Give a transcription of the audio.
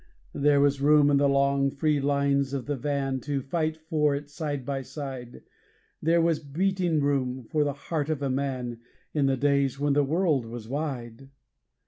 There was room in the long, free lines of the van to fight for it side by side There was beating room for the heart of a man in the days when the world was wide.